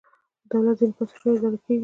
دولت ځینې بنسټونه اداره کېږي.